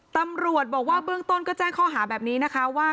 ตำรวจบอกว่าเบื้องต้นก็แจ้งข้อหาแบบนี้นะคะว่า